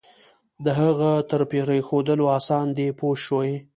د هغه تر پرېښودلو آسان دی پوه شوې!.